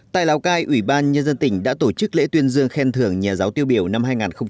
tại lào cai ủy ban nhân dân tỉnh đã tổ chức lễ tuyên dương khen thưởng nhà giáo tiêu biểu năm hai nghìn một mươi chín